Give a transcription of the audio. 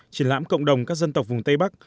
triển lãm cộng đồng các dân tộc vùng tây bắc